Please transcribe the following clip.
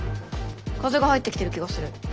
風が入ってきてる気がする。